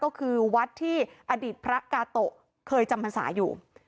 ก็คือวัดที่อดีตพระกาโตะเคยจำพรรษาอยู่